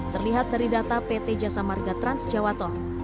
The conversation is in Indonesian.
terlihat dari data pt jasa marga trans jawa tol